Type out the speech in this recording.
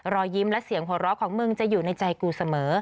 รอยยิ้มและเสียงหัวเราะของมึงจะอยู่ในใจกูเสมอ